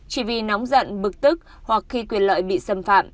chỉ vì nóng giận bực tức hoặc khi quyền lợi bị xâm phạm